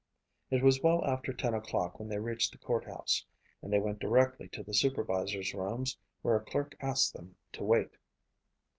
It was well after ten o'clock when they reached the courthouse and they went directly to the supervisors' rooms where a clerk asked them to wait.